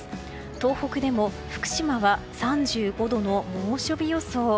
東北でも福島は３５度の猛暑日予想。